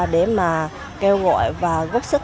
để mà kêu gọi và gốc sức